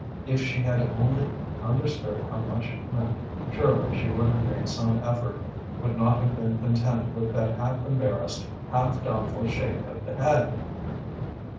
If she had only understood how much it meant, surely she would have made some effort, would not have been content with that half embarrassed, half doubtful shake of the head!